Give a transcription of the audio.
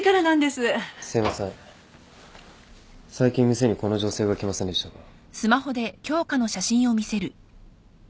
すいません最近店にこの女性が来ませんでしたか？